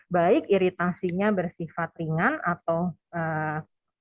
baik iritasinya bersifat ringan atau menyebabkan kanker kulit